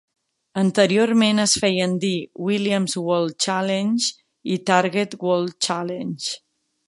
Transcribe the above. Anteriorment es feien dir Williams World Challenge i Target World Challenge.